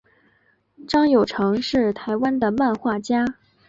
张友诚是台湾的漫画家。